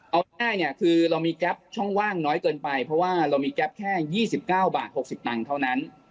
เอาง่ายเนี่ยคือเรามีแก๊ปช่องว่างน้อยเกินไปเพราะว่าเรามีแก๊ปแค่๒๙บาท๖๐ตังค์เท่านั้น